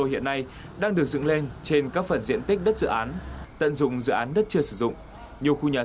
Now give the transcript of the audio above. hãy đăng ký kênh để nhận thông tin nhất